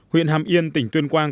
huyện hàm yên tỉnh tuyên quang